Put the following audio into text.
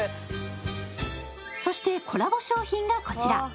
そして、コラボ商品がこちら。